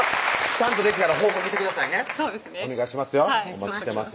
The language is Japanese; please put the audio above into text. ちゃんとできたら報告してくださいねお願いしますよお待ちしてます